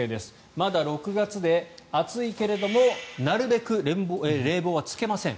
まだ６月で暑いけれどもなるべく冷房はつけません。